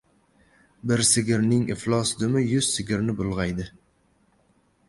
• Bir sigirning iflos dumi yuz sigirni bulg‘aydi.